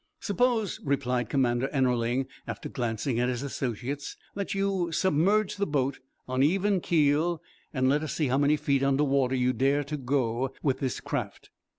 "Suppose," replied Commander Ennerling, after glancing at his associates, "that you submerge the boat, on even keel, and let us see how many feet under water you dare to go with this craft?"